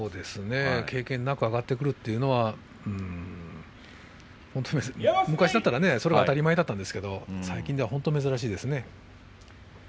経験なく上がってくるというのは、本当に昔だったらそれが当たり前だったんですが最近では本当に珍しいですね。